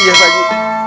iya pak ji